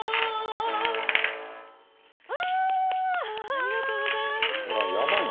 ありがとうございましたすごい！